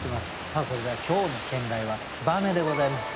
さあそれでは今日の兼題は「燕」でございます。